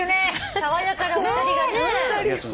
爽やかなお二人がね。